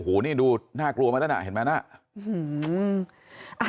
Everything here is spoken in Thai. โอ้โหนี่ดูน่ากลัวมาแล้วนะเห็นไหมน่ะ